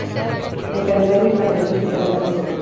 El Calendario islámico es un calendario lunar.